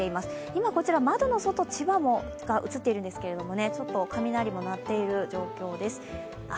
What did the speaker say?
今こちら窓の外、千葉が映っているんですけれども雷も鳴っている状況です。